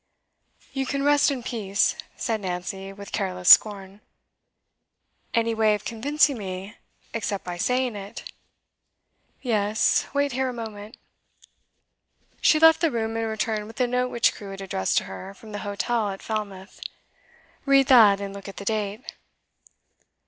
'You can rest in peace,' said Nancy, with careless scorn. 'Any way of convincing me, except by saying it?' 'Yes. Wait here a moment.' She left the room, and returned with the note which Crewe had addressed to her from the hotel at Falmouth. 'Read that, and look at the date.